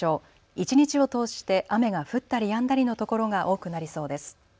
一日を通して雨が降ったりやんだりのところが多くなりそうです。